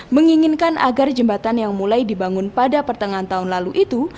menginginkan agar jembatan yang mulai dibangun pada pertengahan tahun lalu itu